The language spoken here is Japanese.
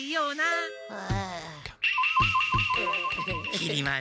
きり丸。